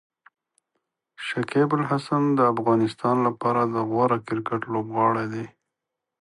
شکيب الحسن د افغانستان لپاره د غوره کرکټ لوبغاړی دی.